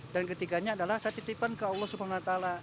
dan ketiganya adalah saya titipkan ke allah swt